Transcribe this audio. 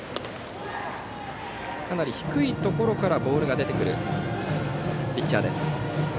かなり低いところからボールが出てくるピッチャー。